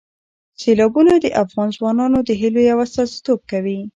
سیلابونه د افغان ځوانانو د هیلو یو استازیتوب کوي.